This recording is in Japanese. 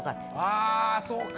あぁそうか。